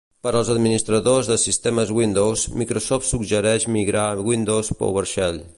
Per als administradors de sistemes Windows, Microsoft suggereix migrar a Windows PowerShell.